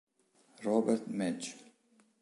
Robert Madge